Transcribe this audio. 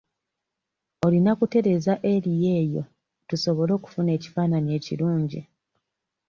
Oyina kutereeza eriyo eyo tusobole okufuna ekifaananyi ekirungi.